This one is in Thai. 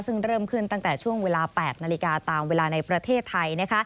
ซึ่งเริ่มขึ้นตั้งแต่ช่วงเวลา๘นาฬิกาตามเวลาในประเทศไทย